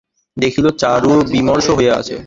দেখিল চারু বিমর্ষ হইয়া আছে।